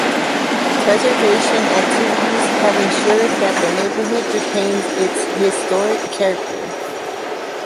Preservation activities have ensured that the neighborhood retains its historic character.